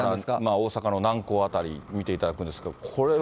大阪の南港辺りを見ていただくんですけど、これは。